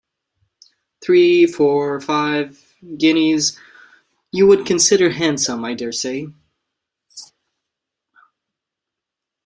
Three, four, five, guineas, you would consider handsome, I dare say.